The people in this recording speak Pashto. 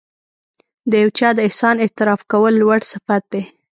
د یو چا د احسان اعتراف کول لوړ صفت دی.